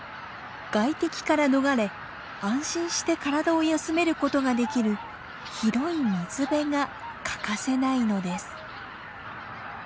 外敵から逃れ安心して体を休めることができる広い水辺が欠かせないのです。